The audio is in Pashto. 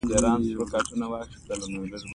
• مطالعه د انسان ذهن روښانه کوي.